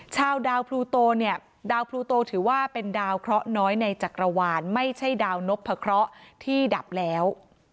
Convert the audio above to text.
ชาวดาวพลูโตเนี่ยดาวพลูโตถือว่าเป็นดาวเคราะห์น้อยในจักรวาลไม่ใช่ดาวนพะเคราะห์ที่ดับแล้ว